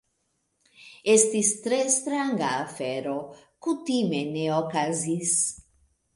Estis tre stranga afero... kutime ne okazis.